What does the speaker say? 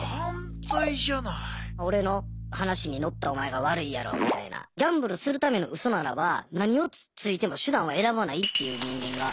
俺の話にのったお前が悪いやろみたいなギャンブルするためのウソならば何をついても手段は選ばないっていう人間が出来上がってましたよね。